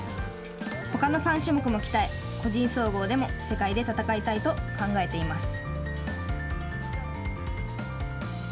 ほかの３種目も鍛え個人総合でも世界で戦いたいと考えています。